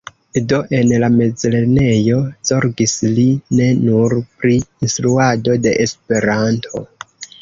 Do, en la mezlernejo zorgis li ne nur pri instruado de Esperanto.